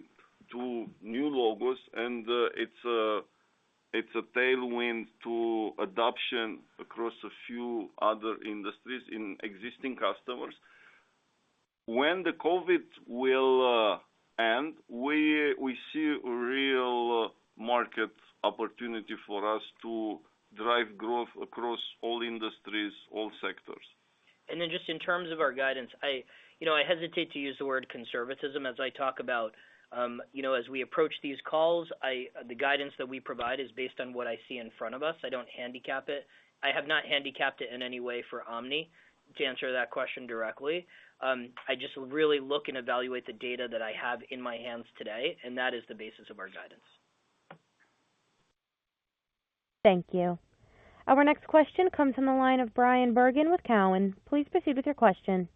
2 new logos, and it's a tailwind to adoption across a few other industries in existing customers. When the COVID will end, we see real market opportunity for us to drive growth across all industries, all sectors. Just in terms of our guidance, I you know I hesitate to use the word conservatism as I talk about, you know, as we approach these calls, the guidance that we provide is based on what I see in front of us. I don't handicap it. I have not handicapped it in any way for Omicron, to answer that question directly. I just really look and evaluate the data that I have in my hands today, and that is the basis of our guidance. Thank you. Our next question comes from the line of Bryan Bergin with Cowen. Please proceed with your question.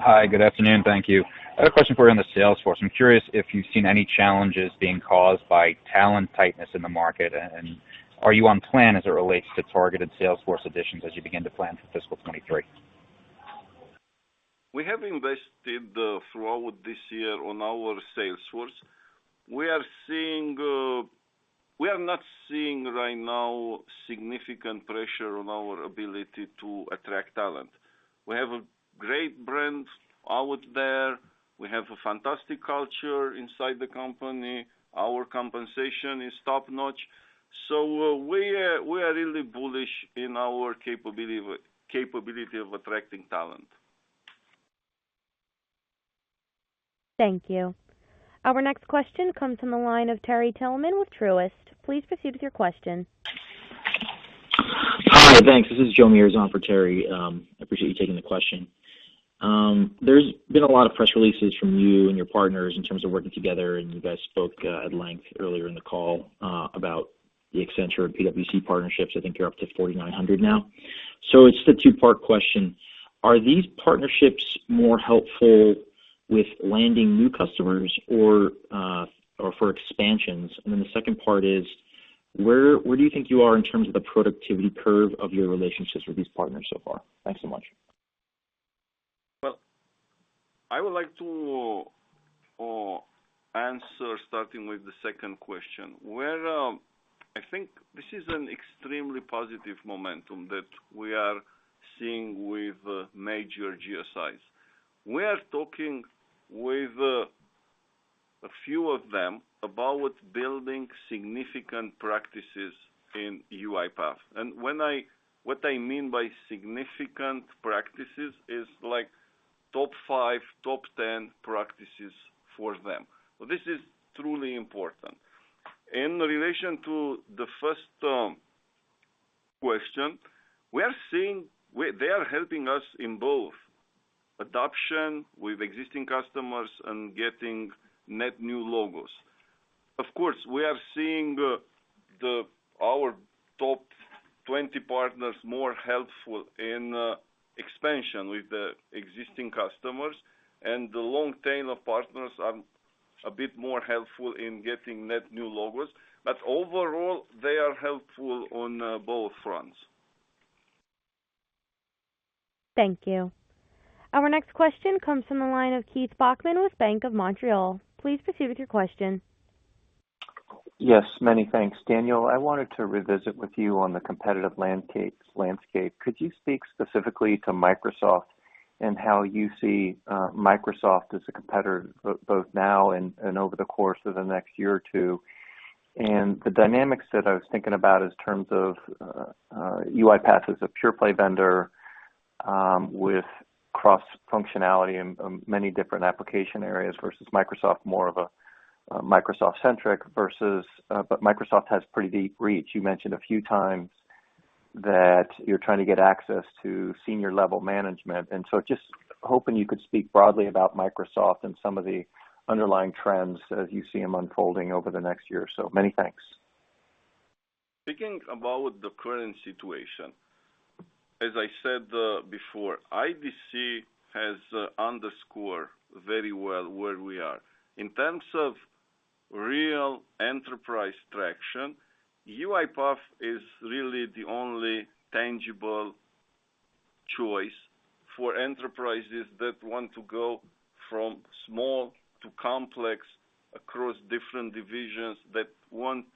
Hi, good afternoon. Thank you. I have a question for you on the sales force. I'm curious if you've seen any challenges being caused by talent tightness in the market, and are you on plan as it relates to targeted sales force additions as you begin to plan for fiscal 2023? We have invested throughout this year on our sales force. We are seeing. We are not seeing right now significant pressure on our ability to attract talent. We have a great brand out there. We have a fantastic culture inside the company. Our compensation is top-notch. We are really bullish in our capability of attracting talent. Thank you. Our next question comes from the line of Terry Tillman with Truist. Please proceed with your question. Hi, thanks. This is Joe Meares for Terry. I appreciate you taking the question. There's been a lot of press releases from you and your partners in terms of working together, and you guys spoke at length earlier in the call about the Accenture and PwC partnerships. I think you're up to 4,900 now. It's a two-part question. Are these partnerships more helpful with landing new customers or for expansions? And then the second part is where do you think you are in terms of the productivity curve of your relationships with these partners so far? Thanks so much. Well, I would like to answer starting with the second question. Where I think this is an extremely positive momentum that we are seeing with major GSIs. We are talking with a few of them about building significant practices in UiPath. What I mean by significant practices is like top 5, top 10 practices for them. This is truly important. In relation to the first question, we are seeing they are helping us in both adoption with existing customers and getting net new logos. Of course, we are seeing our top 20 partners more helpful in expansion with the existing customers, and the long tail of partners are a bit more helpful in getting net new logos. Overall, they are helpful on both fronts. Thank you. Our next question comes from the line of Keith Bachman with Bank of Montreal. Please proceed with your question. Yes, many thanks. Daniel, I wanted to revisit with you on the competitive landscape. Could you speak specifically to Microsoft and how you see Microsoft as a competitor both now and over the course of the next year or two? The dynamics that I was thinking about in terms of UiPath as a pure play vendor with cross-functionality in many different application areas versus Microsoft, more of a Microsoft-centric versus, but Microsoft has pretty deep reach. You mentioned a few times that you're trying to get access to senior level management. Just hoping you could speak broadly about Microsoft and some of the underlying trends as you see them unfolding over the next year or so. Many thanks. Speaking about the current situation, as I said before, IDC has underscored very well where we are. In terms of real enterprise traction, UiPath is really the only tangible choice for enterprises that want to go from small to complex across different divisions that want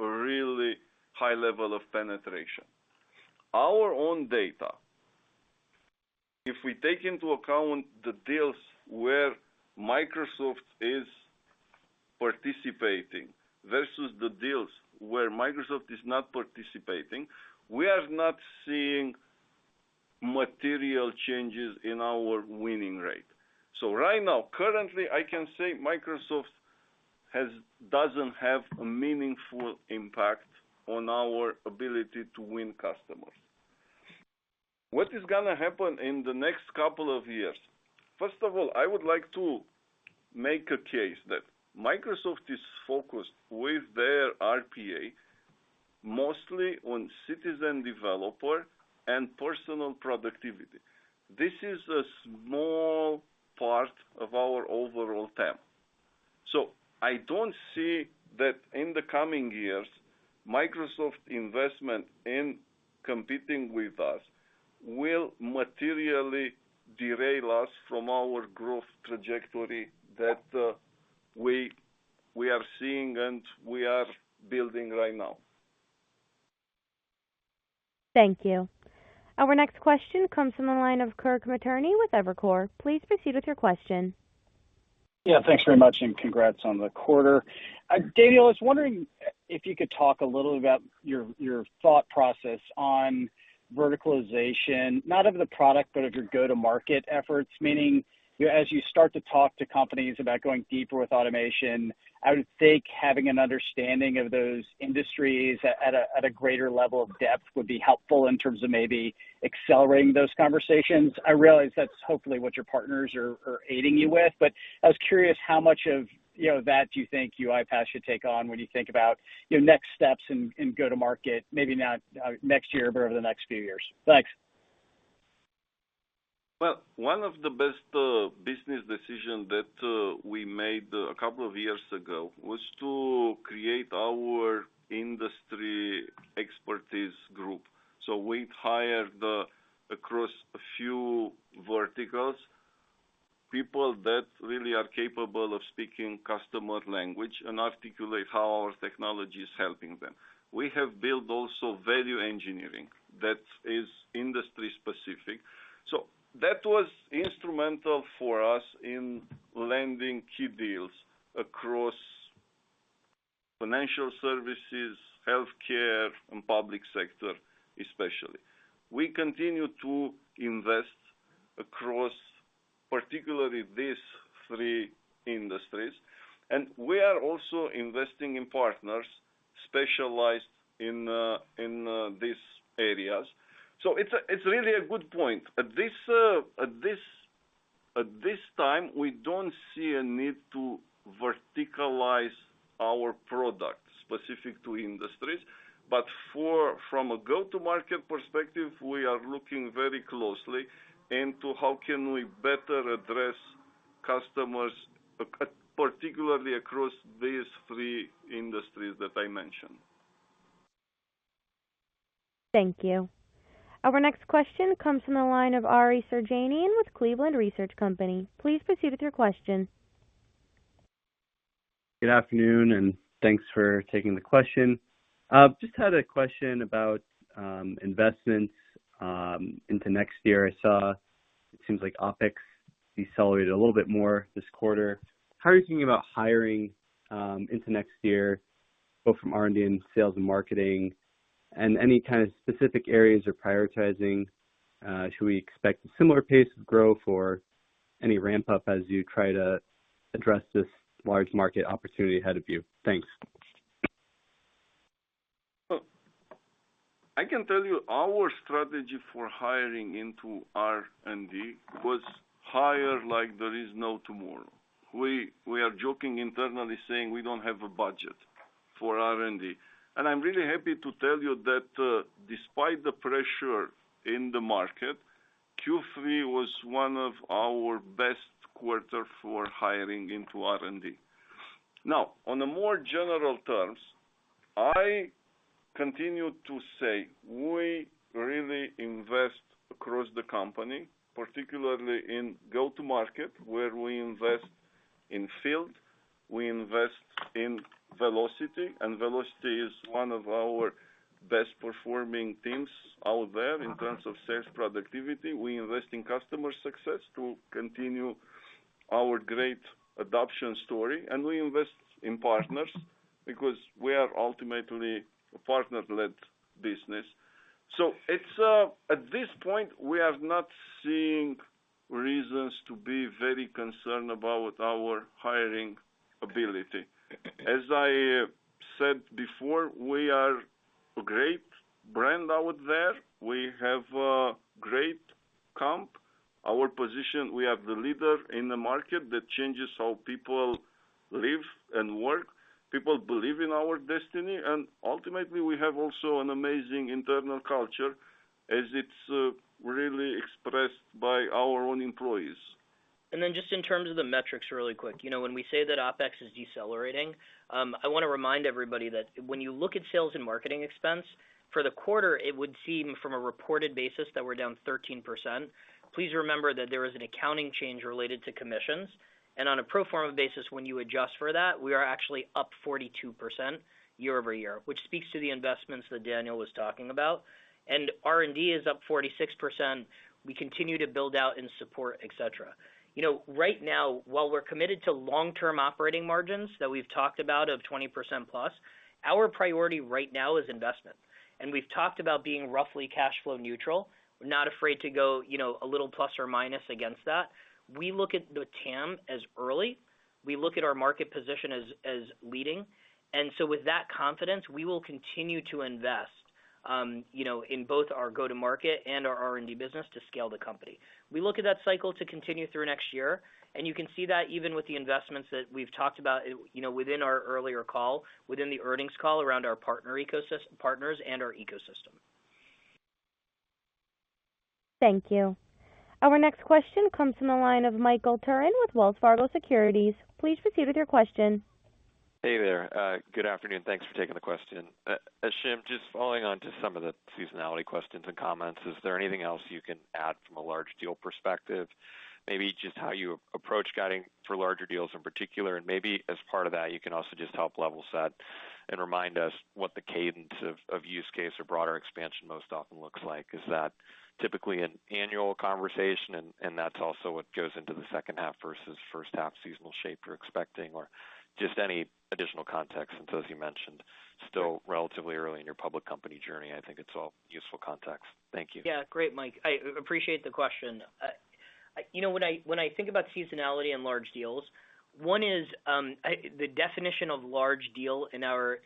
a really high level of penetration. Our own data, if we take into account the deals where Microsoft is participating versus the deals where Microsoft is not participating, we are not seeing material changes in our winning rate. Right now, currently, I can say Microsoft doesn't have a meaningful impact on our ability to win customers. What is gonna happen in the next couple of years? First of all, I would like to make a case that Microsoft is focused with their RPA mostly on citizen developer and personal productivity. This is a small part of our overall TAM. I don't see that in the coming years, Microsoft investment in competing with us will materially derail us from our growth trajectory that we are seeing and we are building right now. Thank you. Our next question comes from the line of Kirk Materne with Evercore. Please proceed with your question. Yeah, thanks very much, and congrats on the quarter. Daniel, I was wondering if you could talk a little about your thought process on verticalization, not of the product, but of your go-to-market efforts. Meaning, as you start to talk to companies about going deeper with automation, I would think having an understanding of those industries at a greater level of depth would be helpful in terms of maybe accelerating those conversations. I realize that's hopefully what your partners are aiding you with, but I was curious how much of, you know, that you think UiPath should take on when you think about your next steps in go-to-market, maybe not next year, but over the next few years. Thanks. Well, one of the best business decision that we made a couple of years ago was to create our industry expertise group. We've hired across a few verticals, people that really are capable of speaking customer language and articulate how our technology is helping them. We have built also value engineering that is industry specific. That was instrumental for us in landing key deals across financial services, healthcare, and public sector, especially. We continue to invest across, particularly these three industries, and we are also investing in partners specialized in these areas. It's really a good point. At this time, we don't see a need to verticalize our product specific to industries. From a go-to-market perspective, we are looking very closely into how can we better address customers, particularly across these three industries that I mentioned. Thank you. Our next question comes from the line of Ari Terjanian with Cleveland Research Company. Please proceed with your question. Good afternoon, and thanks for taking the question. Just had a question about investments into next year. I saw it seems like OpEx decelerated a little bit more this quarter. How are you thinking about hiring into next year, both from R&D and sales and marketing, and any kind of specific areas you're prioritizing? Should we expect a similar pace of growth or any ramp-up as you try to address this large market opportunity ahead of you? Thanks. I can tell you our strategy for hiring into R&D was hire like there is no tomorrow. We are joking internally saying we don't have a budget for R&D. I'm really happy to tell you that, despite the pressure in the market, Q3 was one of our best quarter for hiring into R&D. Now, on the more general terms, I continue to say we really invest across the company, particularly in go-to-market, where we invest in field, we invest in velocity, and velocity is one of our best performing things out there in terms of sales productivity. We invest in customer success to continue our great adoption story, and we invest in partners because we are ultimately a partner-led business. It's at this point, we have not seen reasons to be very concerned about our hiring ability. As I said before, we are a great brand out there. We have a great comp. Our position, we are the leader in the market. That changes how people live and work. People believe in our destiny. Ultimately, we have also an amazing internal culture as it's really expressed by our own employees. Then just in terms of the metrics really quick. You know, when we say that OpEx is decelerating, I wanna remind everybody that when you look at sales and marketing expense, for the quarter, it would seem from a reported basis that we're down 13%. Please remember that there is an accounting change related to commissions, and on a pro forma basis, when you adjust for that, we are actually up 42% year-over-year, which speaks to the investments that Daniel was talking about. R&D is up 46%. We continue to build out in support, et cetera. You know, right now, while we're committed to long-term operating margins that we've talked about of 20%+, our priority right now is investment. We've talked about being roughly cash flow neutral. We're not afraid to go, you know, a little plus or minus against that. We look at the TAM as early. We look at our market position as leading. With that confidence, we will continue to invest, you know, in both our go-to-market and our R&D business to scale the company. We look at that cycle to continue through next year, and you can see that even with the investments that we've talked about, you know, within our earlier call, within the earnings call around our partners and our ecosystem. Thank you. Our next question comes from the line of Michael Turrin with Wells Fargo Securities. Please proceed with your question. Hey there. Good afternoon. Thanks for taking the question. Ashim, just following on to some of the seasonality questions and comments, is there anything else you can add from a large deal perspective? Maybe just how you approach guiding for larger deals in particular, and maybe as part of that, you can also just help level set and remind us what the cadence of use case or broader expansion most often looks like. Is that typically an annual conversation, and that's also what goes into the second half versus first half seasonal shape you're expecting? Or just any additional context, since as you mentioned, still relatively early in your public company journey, I think it's all useful context. Thank you. Yeah. Great, Mike. I appreciate the question. You know, when I think about seasonality and large deals, one is the definition of large deal in our,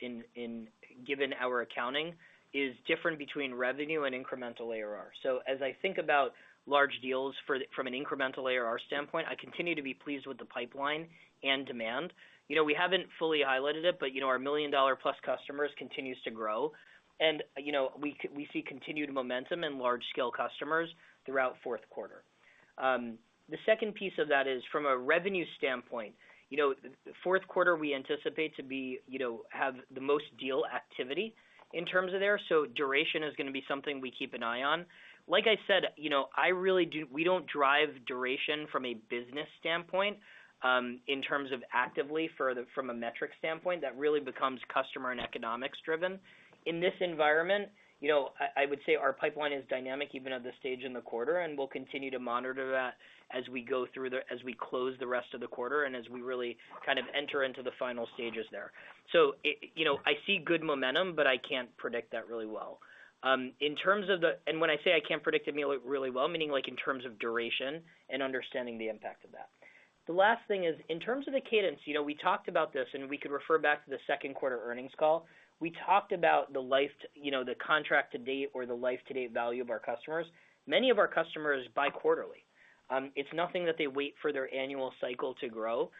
given our accounting is different between revenue and incremental ARR. As I think about large deals from an incremental ARR standpoint, I continue to be pleased with the pipeline and demand. You know, we haven't fully highlighted it, but you know, our million-dollar-plus customers continues to grow. You know, we see continued momentum in large scale customers throughout fourth quarter. The second piece of that is from a revenue standpoint, you know, fourth quarter we anticipate to be you know have the most deal activity in terms of their. Duration is gonna be something we keep an eye on. Like I said, you know, we don't drive duration from a business standpoint, in terms of, from a metric standpoint, that really becomes customer and economics driven. In this environment, you know, I would say our pipeline is dynamic even at this stage in the quarter, and we'll continue to monitor that as we close the rest of the quarter and as we really kind of enter into the final stages there. You know, I see good momentum, but I can't predict that really well. When I say I can't predict it really well, meaning like in terms of duration and understanding the impact of that. The last thing is in terms of the cadence, you know, we talked about this, and we could refer back to the second quarter earnings call. We talked about the life to date, you know, the contract to date or the life to date value of our customers. Many of our customers buy quarterly. It's nothing that they wait for their annual cycle to grow.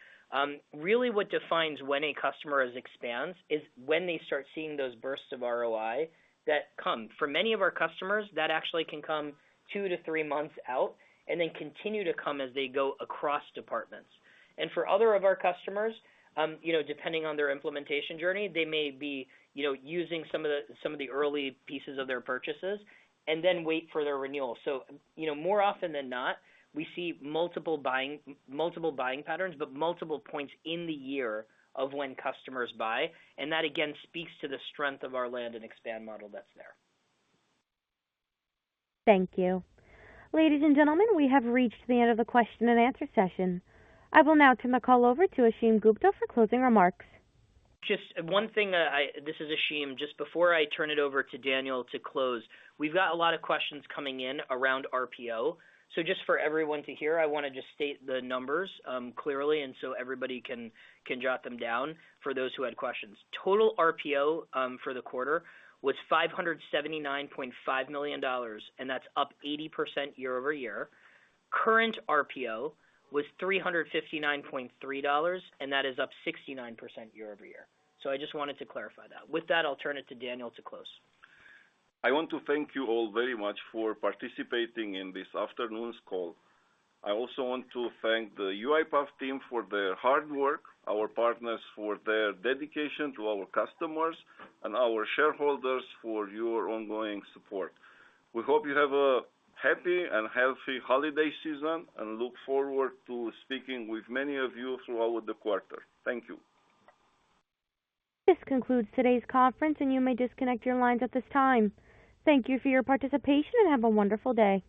Really what defines when a customer expands is when they start seeing those bursts of ROI that come. For many of our customers, that actually can come 2-3 months out and then continue to come as they go across departments. For other of our customers, you know, depending on their implementation journey, they may be using some of the early pieces of their purchases and then wait for their renewal. you know, more often than not, we see multiple buying patterns, but multiple points in the year of when customers buy. That, again, speaks to the strength of our land and expand model that's there. Thank you. Ladies and gentlemen, we have reached the end of the question and answer session. I will now turn the call over to Ashim Gupta for closing remarks. Just one thing. This is Ashim. Just before I turn it over to Daniel to close, we've got a lot of questions coming in around RPO. Just for everyone to hear, I wanna just state the numbers clearly and so everybody can jot them down for those who had questions. Total RPO for the quarter was $579.5 million, and that's up 80% year-over-year. Current RPO was $359.3 million, and that is up 69% year-over-year. I just wanted to clarify that. With that, I'll turn it to Daniel to close. I want to thank you all very much for participating in this afternoon's call. I also want to thank the UiPath team for their hard work, our partners for their dedication to our customers, and our shareholders for your ongoing support. We hope you have a happy and healthy holiday season, and look forward to speaking with many of you throughout the quarter. Thank you. This concludes today's conference, and you may disconnect your lines at this time. Thank you for your participation, and have a wonderful day.